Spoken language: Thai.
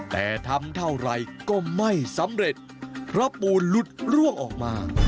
แต่ทำเท่าไรก็ไม่สำเร็จเพราะปูนหลุดร่วงออกมา